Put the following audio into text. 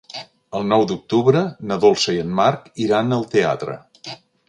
El nou d'octubre na Dolça i en Marc iran al teatre.